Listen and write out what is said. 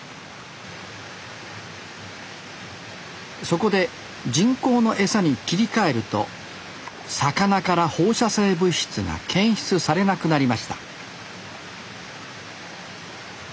そこで人工の餌に切り替えると魚から放射性物質が検出されなくなりました